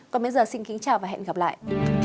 còn bây giờ xin kính chào và hẹn gặp lại